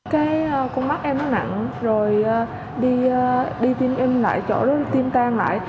cái con mắt em nó nặng rồi đi tiêm in lại chỗ đó tiêm tan lại